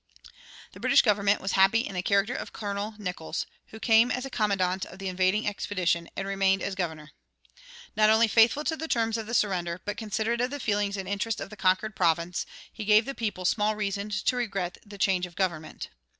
The British government was happy in the character of Colonel Nicolls, who came as commandant of the invading expedition and remained as governor. Not only faithful to the terms of the surrender, but considerate of the feelings and interests of the conquered province, he gave the people small reason to regret the change of government.